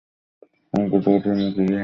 সমগ্র জগতের সম্মুখে ইহাই যথার্থ কাজ।